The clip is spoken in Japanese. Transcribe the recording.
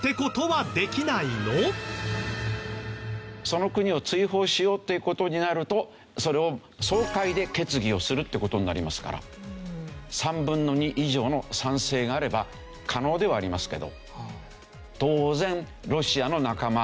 その国を追放しようという事になるとそれを総会で決議をするって事になりますから３分の２以上の賛成があれば可能ではありますけど当然ロシアの仲間